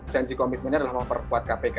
janji komitmennya adalah memperkuat kpk